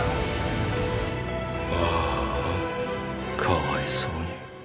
ああかわいそうに。